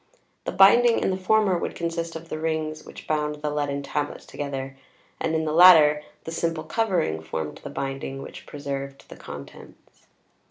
The binding in the former would consist of the rings which bound the leaden tablets together, and in the latter, the simple covering formed the binding which preserved the contents.